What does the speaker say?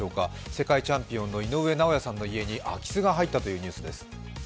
世界チャンピオンの井上尚弥さんの家に空き巣が入ったというニュースです。